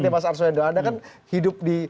mas arswendo anda kan hidup di